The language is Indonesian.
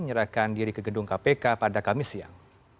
menyerahkan diri ke gedung kpk pada kamis siang